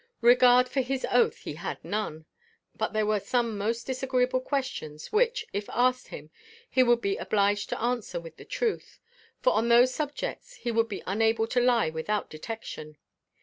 Regard for his oath he had none; but there were some most disagreeable questions which, if asked him, he would be obliged to answer with the truth, for on those subjects he would be unable to lie without detection.